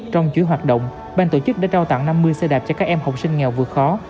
trong chuỗi hoạt động bang tổ chức đã trao tặng năm mươi xe đạp cho các em học sinh nghèo vượt khó